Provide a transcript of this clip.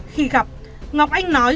khi gặp ngọc anh nói